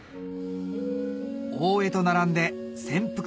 大江と並んで潜伏